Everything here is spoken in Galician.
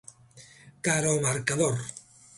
Cara ao marcador.